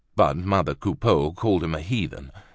But mother Coupeau called him a heathen.